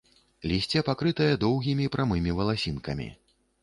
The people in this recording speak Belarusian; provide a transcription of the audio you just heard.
Лісце пакрытае доўгімі прамымі валасінкамі.